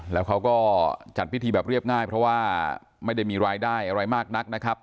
แล้วเขาก็จัดพิธีแบบเรียบง่ายเพราะว่าไม่ได้มีรายได้อะไรมากนักนะครับ